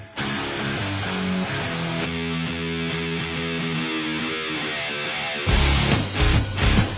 มึงตกหน้ากูแล้วมึงก็ต่อ